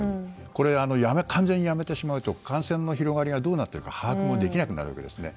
これ、完全にやめてしまうと感染の広がりがどうなっていくか把握もできなくなるわけですね。